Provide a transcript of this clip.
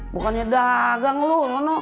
bukannya dagang lu